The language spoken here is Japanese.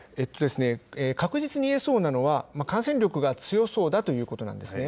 確実に言えそうなのは、感染力が強そうだということなんですね。